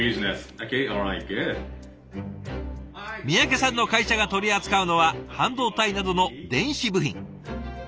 三宅さんの会社が取り扱うのは半導体などの電子部品。